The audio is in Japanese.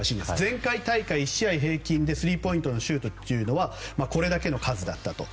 前回大会１試合平均でスリーポイントシュートはこれだけの数だったと。